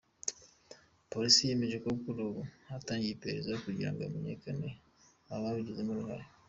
Polisi yemeje ko kuri ubu hatangiye iperereza kugirango hamenyekane aba babigizemo uruhare.